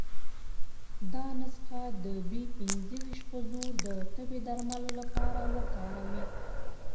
دا نسخه د بي پنځه ویشت په زور د تبې درملو لپاره وکاروي.